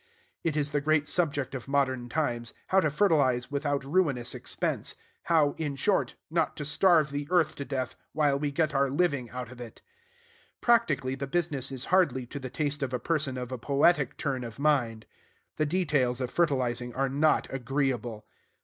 It is the great subject of modern times, how to fertilize without ruinous expense; how, in short, not to starve the earth to death while we get our living out of it. Practically, the business is hardly to the taste of a person of a poetic turn of mind. The details of fertilizing are not agreeable.